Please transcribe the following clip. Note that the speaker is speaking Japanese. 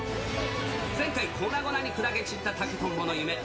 前回、粉々に砕け散った竹とんぼの夢。